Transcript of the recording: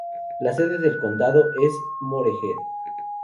La sede del condado es Morehead.